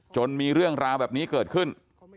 มีเรื่องราวแบบนี้เกิดขึ้น